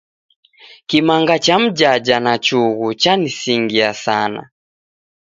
Kimanga cha mjaja na chughu chanisingiaa sana.